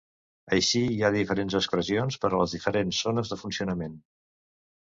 Així, hi ha diferents expressions per a les diferents zones de funcionament.